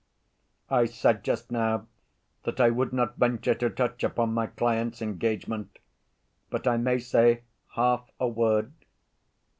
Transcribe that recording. "I said just now that I would not venture to touch upon my client's engagement. But I may say half a word.